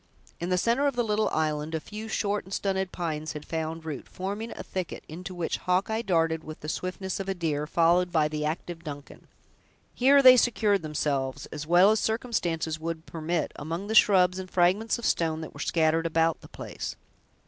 In the center of the little island, a few short and stunted pines had found root, forming a thicket, into which Hawkeye darted with the swiftness of a deer, followed by the active Duncan. Here they secured themselves, as well as circumstances would permit, among the shrubs and fragments of stone that were scattered about the place.